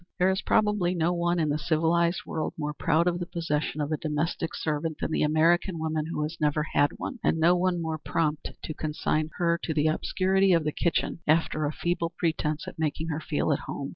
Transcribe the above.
There is probably no one in the civilized world more proud of the possession of a domestic servant than the American woman who has never had one, and no one more prompt to consign her to the obscurity of the kitchen after a feeble pretence at making her feel at home.